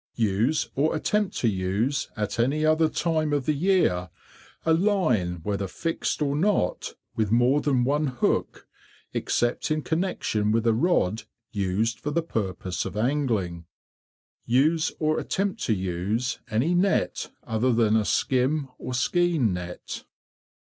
3. Use or attempt to use at any other time of the year, a Line, whether fixed or not, with more than one hook, except in connection with a rod used for the purpose of Angling. 4. Use or attempt to use any Net other than a Skim or Skein Net.